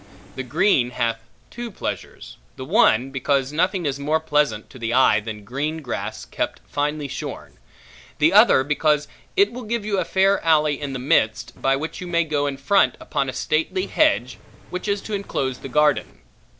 The green hath two pleasures: the one, because nothing is more pleasant to the eye than green grass kept finely shorn; the other, because it will give you a fair alley in the midst, by which you may go in front upon a stately hedge, which is to enclose the garden.